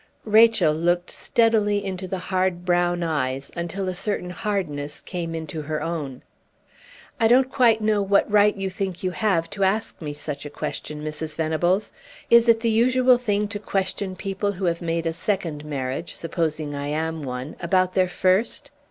Rachel looked steadily into the hard brown eyes, until a certain hardness came into her own. "I don't quite know what right you think you have to ask me such a question, Mrs. Venables. Is it the usual thing to question people who have made a second marriage supposing I am one about their first?